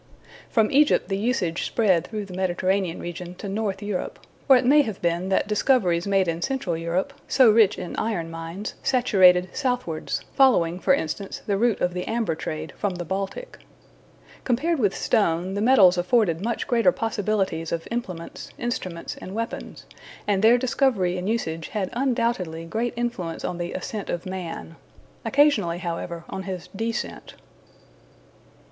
From Egypt the usage spread through the Mediterranean region to North Europe, or it may have been that discoveries made in Central Europe, so rich in iron mines, saturated southwards, following for instance, the route of the amber trade from the Baltic. Compared with stone, the metals afforded much greater possibilities of implements, instruments, and weapons, and their discovery and usage had undoubtedly great influence on the Ascent of Man. Occasionally, however, on his descent.